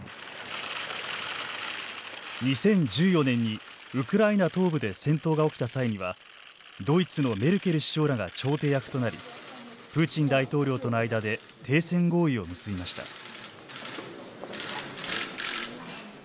２０１４年に、ウクライナ東部で戦闘が起きた際にはドイツのメルケル首相らが調停役となりプーチン大統領との間で停戦合意を結びました。